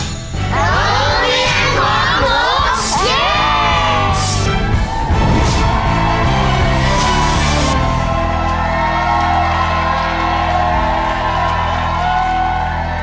โรงเลี่ยนของหนู